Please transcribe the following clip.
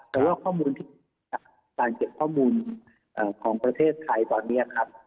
แต่ว่าข้อมูลที่จากการเก็บข้อมูลของประเทศไทยตอนนี้ครับ